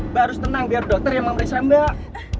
mbak harus tenang biar dokter yang memeriksa mbak